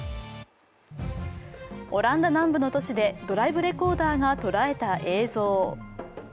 オランダ南部の都市でドライブレコーダーがとらえた映像。